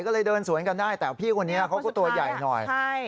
ก็เลยเดินสวนกันได้แต่พี่คนนี้เขาก็ตัวใหญ่หน่อยใช่